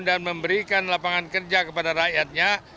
dan memberikan lapangan kerja kepada rakyatnya